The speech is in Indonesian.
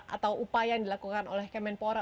atau upaya yang dilakukan oleh kemenpora